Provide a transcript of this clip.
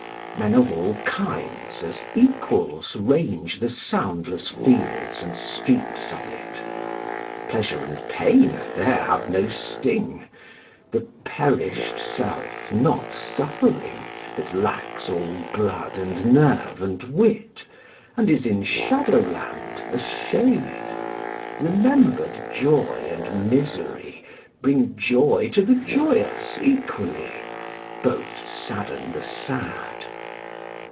Men of all kinds as equals range The soundless fields and streets of it. Pleasure and pain there have no sting, The perished self not suffering That lacks all blood and nerve and wit, And is in shadow land a shade. Remembered joy and misery Bring joy to the joyous equally; Both sadden the sad.